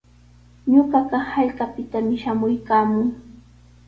Ñuqaqa hallqapitami shamuykaamuu.